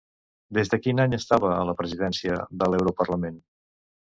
Des de quin any estava a la presidència de l'Europarlament?